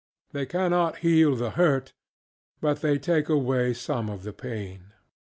They cannot heal the hurt, but they take away some of the pain.